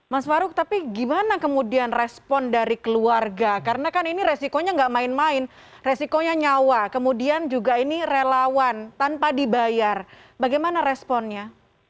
mas farouk tapi gimana kemudian respon dari keluarga karena kan ini resikonya nggak main main resikonya nyawa kemudian juga ini relawan tanpa dibayar bagaimana responnya